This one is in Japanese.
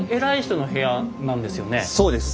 そうです。